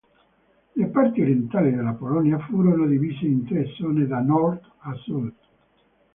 Le parti orientali della Polonia furono divise in tre zone da nord a sud.